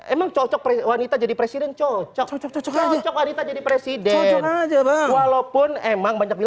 emang cocok wanita jadi presiden cocok cocok wanita jadi presiden walaupun emang banyak